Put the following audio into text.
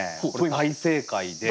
大正解で。